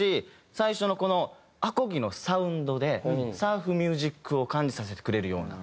最初のこのアコギのサウンドでサーフミュージックを感じさせてくれるような。